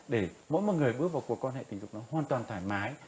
để mỗi một người bước vào cuộc quan hệ tình dục nó hoàn toàn thoải mái